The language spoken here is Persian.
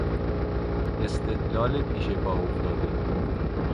استدلال پیش پا افتاده